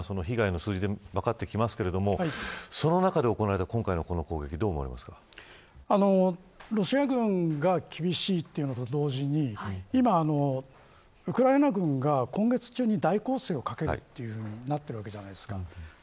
被害の数字で分かってきますがその中で行われた、今回の攻撃はロシア軍が厳しいというのと同時に今、ウクライナ軍が今月中に大攻勢を掛けるというふうになっているわけじゃないですか。